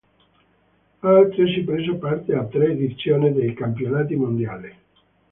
Ha altresì preso parte a tre edizioni dei campionati mondiali.